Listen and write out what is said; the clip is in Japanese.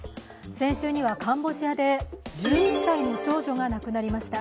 先週にはカンボジアで１１歳の少女が亡くなりました。